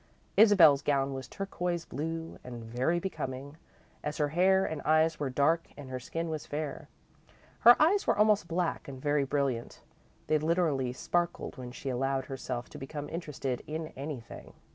Isabel's gown was turquoise blue and very becoming, as her hair and eyes were dark and her skin was fair. Her eyes were almost black and very brilliant; they literally sparkled when she allowed herself to become interested in anything.